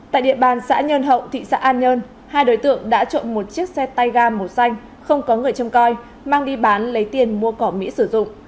tại địa bàn xã nhơn hậu thị xã an nhơn hai đối tượng đã trộm một chiếc xe tay ga màu xanh không có người châm coi mang đi bán lấy tiền mua cỏ mỹ sử dụng